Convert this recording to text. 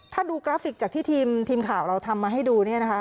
ถ้าดูกราฟิกจากทีมข่าวเราทำมาให้ดู